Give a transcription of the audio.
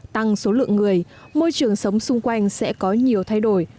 tăng số lượng người môi trường sống xung quanh sẽ có nhiều thay đổi